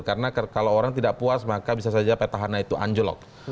karena kalau orang tidak puas maka bisa saja petahana itu anjlok